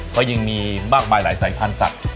เขายังมีมากมายหลายสายพันธุ์สัตว์